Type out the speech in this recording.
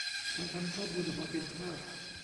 การทำข้อมูลออกมาเป็นภาพ